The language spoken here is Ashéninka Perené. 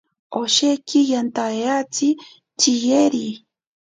Osheki yantaeaitzi tsiyeri.